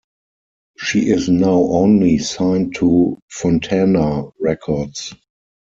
She is now only signed to Fontana Records.